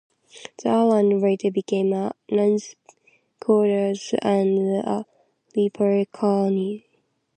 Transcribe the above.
The island later became a nuns quarters and a leper colony.